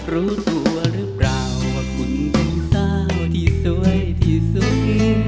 รู้ตัวหรือเปล่าว่าคุณเป็นสาวที่สวยที่สุด